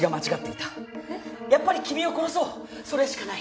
やっぱり君を殺そうそれしかない。